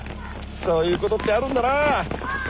そういうことってあるんだなあ。